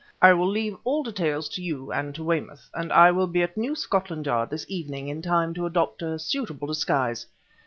"I will leave all details to you and to Weymouth, and I will be at New Scotland Yard this evening in time to adopt a suitable disguise.